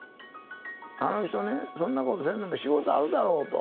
あの人ねそんなことせんでも仕事あるだろうと。